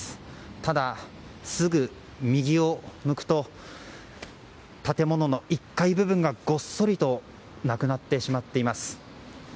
ただ、すぐ右を向くと建物の１階部分がごっそりとなくなってしまっています。